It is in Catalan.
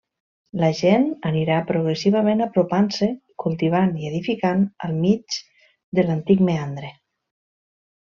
La gent anirà progressivament apropant-se, cultivant i edificant al mig de l’antic meandre.